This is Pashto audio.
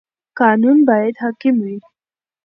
قانون باید حاکم وي.